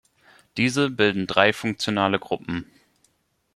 Diese bilden drei funktionale Gruppen.